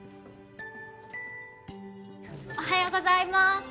おはようございます。